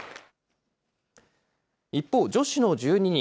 一方、女子の１２人。